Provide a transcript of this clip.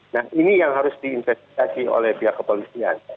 nah ini yang harus diinvestigasi oleh pihak kepolisian